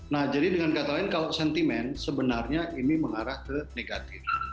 nah jadi dengan kata lain kalau sentimen sebenarnya ini mengarah ke negatif